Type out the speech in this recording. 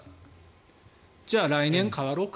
じゃあ来年、変わろうか。